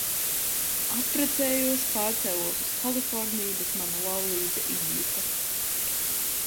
Apprecējos, pārcēlos uz Kaliforniju, bet mana laulība izjuka.